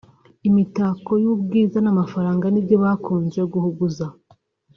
imitako y’ubwiza n’amafaranga nibyo bakunze guhuguza